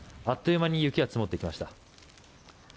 あっという間に雪が積もってきました。